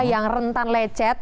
yang rentan lecet